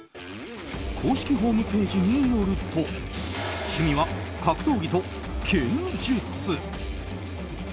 公式ホームページによると趣味は格闘技と剣術。